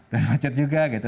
dan macet juga gitu